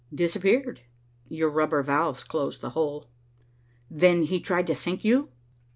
"Disappeared. Your rubber valves closed the hole." "Then he tried to sink you."